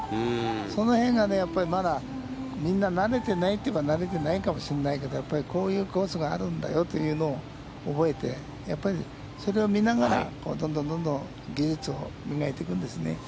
その辺がね、まだみんななれてないといえばなれてないかもしんないけど、やっぱりこういうコースがあるんだよというのを覚えて、やっぱりそれを見ながらどんどんどんどん、技術を磨いていくんですね。